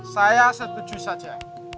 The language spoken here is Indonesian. saya setuju saja